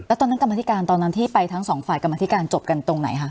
ตอนนั้นกรรมธิการตอนนั้นที่ไปทั้งสองฝ่ายกรรมธิการจบกันตรงไหนคะ